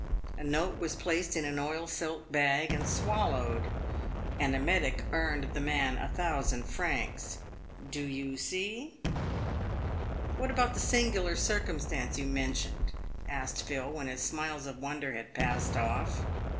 A note was placed in an oil silk bag and swallowed. An emetic earned the man a thousand francs. Do you see?" " What about the singular circumstance you mentioned ?" asked Phil, when his smiles of wonder had passed off.